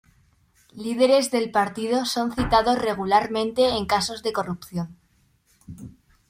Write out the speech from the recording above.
Líderes del partido son citados regularmente en casos de corrupción.